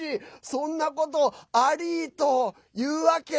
そんなことアリーと言うわけ？